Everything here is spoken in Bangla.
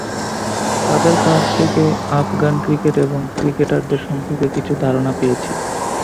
তাঁদের কাছ থেকে আফগান ক্রিকেট এবং ক্রিকেটারদের সম্পর্কে কিছু ধারণা পেয়েছি।